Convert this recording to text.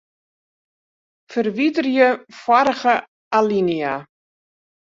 Ferwiderje foarige alinea.